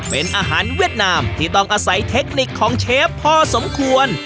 เป็นอาหารเวียดนามที่ต้องอาศัยเทคนิคของเชฟพอสมควร